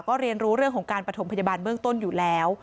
ก็เรียนรู้เรื่องของการประถมพยาบาลเบื้องต้นอยู่แล้ว